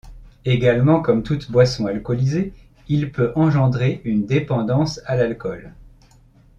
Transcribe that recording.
Également comme toute boisson alcoolisée, il peut engendrer une dépendance à l'alcool.